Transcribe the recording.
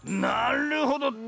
なるほど。